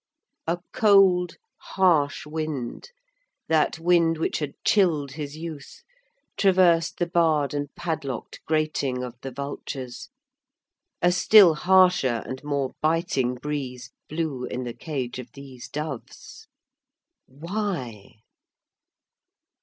A cold, harsh wind, that wind which had chilled his youth, traversed the barred and padlocked grating of the vultures; a still harsher and more biting breeze blew in the cage of these doves. Why?